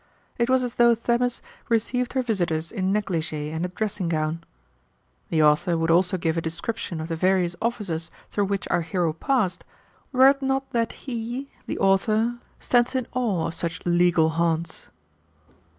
It was as though Themis received her visitors in neglige and a dressing gown. The author would also give a description of the various offices through which our hero passed, were it not that he (the author) stands in awe of such legal haunts.